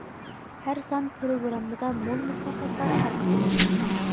ھەر سان پىروگراممىدا مول مۇكاپاتلار تارقىتىلىدۇ.